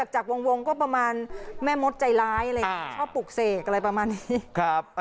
จักรวงก็คือแม่มดใจร้ายเลยชอบปลูกเสกอะไรประมาณนี้